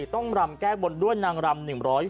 ต้องรำแก้บนด้วยนางรำ